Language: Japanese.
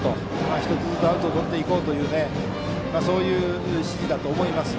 １つずつアウトをとっていこうとそういう指示だと思います。